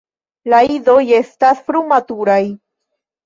La idoj estas frumaturaj.